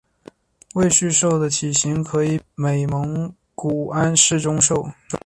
伟鬣兽的体型可以比美蒙古安氏中兽。